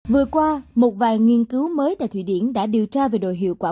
vừa qua một vài nghiên cứu mới tại thụy điển đã điều tra về đội hiệu quả